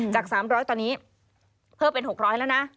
จาก๓๐๐ตอนนี้เพิ่มเป็น๖๐๐แล้วนะ